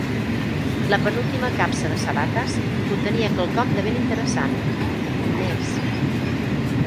La penúltima capsa de sabates contenia quelcom de ben interessant: diners.